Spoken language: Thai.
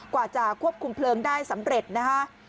กว่าจะควบคุมเพลิงได้สำเร็จนะคะ